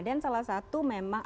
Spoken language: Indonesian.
dan salah satu memang